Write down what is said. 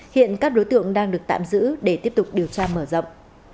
hiện các đối tượng đang được tạm giữ để tiếp tục điều tra mở rộng